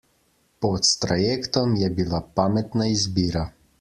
Pot s trajektom je bila pametna izbira.